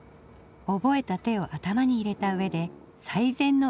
覚えた手を頭に入れた上で最善の一手を選ぶのです。